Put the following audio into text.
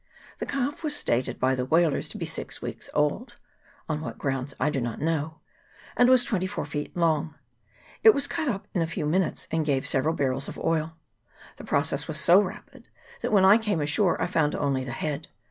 The calf was stated by the whalers to be six weeks old (on what grounds I do not know), and was twenty four feet long. It was cut up in a few minutes, and gave several barrels of oil. The process was so rapid, that when I came ashore I found only the head.